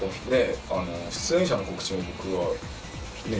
出演者の告知も僕がね